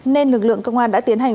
nên lực lượng công an đã tiến hành